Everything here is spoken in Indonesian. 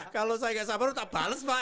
kalau saya gak sabar tetap bales pak